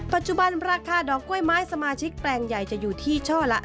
ปัจจุบันราคาดอกกล้วยไม้สมาชิกแปลงใหญ่จะอยู่ที่ช่อละ